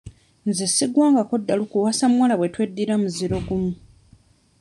Nze sigwangako ddalu kuwasa muwala bwe tweddira muziro gumu.